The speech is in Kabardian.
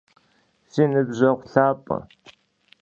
Si nıbjeğu lhap'e!